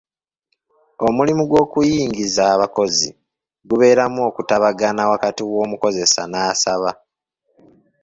Omulimu gw'okuyingiza abakozi gubeeramu okutabagana wakati w'omukozesa n'asaba.